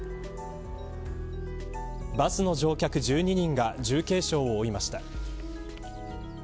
バスの乗客１２人が重軽傷を負いました。